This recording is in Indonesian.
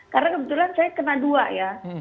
karena kebetulan saya kena dua ya